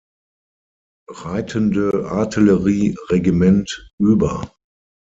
Reitende Artillerie-Regiment über.